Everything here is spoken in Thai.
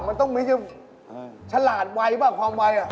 มันต้องมีชลาดไวหรือเปล่าพวัมไว